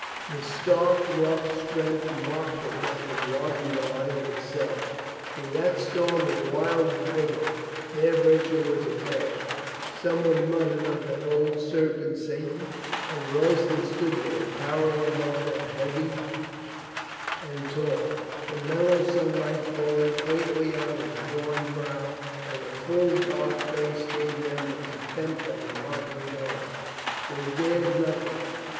His stark, rough strength mocked at them in wanton delight of itself. In that storm of wild vigor their virtue was abashed. Some one muttered of that old serpent Satan and Royston stood there, towering above them heavy and ROYSTON DELIVERS HIS SOUL 433 tall, the mellow sunlight falling quaintly on his drawn brow and the full dark face gave them the contempt of a mocking god. They dared nothing.